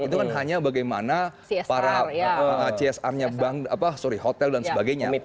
itu kan hanya bagaimana para csr nya bank sorry hotel dan sebagainya